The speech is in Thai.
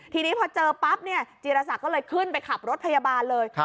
ทีนี้พอเจอปั๊บเนี่ยจีรศักดิ์ก็เลยขึ้นไปขับรถพยาบาลเลย